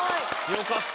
良かった。